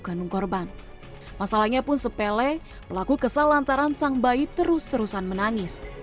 kandung korban masalahnya pun sepele pelaku kesal antara sang bayi terus terusan menangis